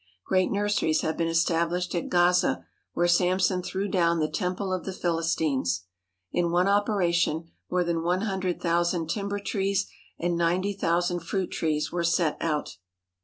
Great nurseries have been established at Gaza, where Samson threw down the temple of the Philistines. In one operation, more than one hundred thousand timber trees and ninety thousand fruit trees were set out.